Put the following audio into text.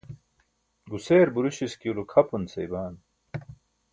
guseer buruśiskilo kʰapun seya baan.